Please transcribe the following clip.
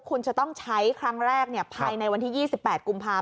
คุณจะต้องใช้ครั้งแรกภายในวันที่๒๘กุมภาพ